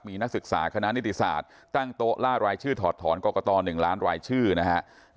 มีนักศึกษาคณะนิติศาสตร์ตั้งโต๊ะล่ารายชื่อถอดถอนกรกต๑ล้านรายชื่อนะครับ